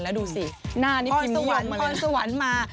แล้วดูสิอ่อนสวนมา